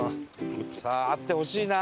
さああってほしいな。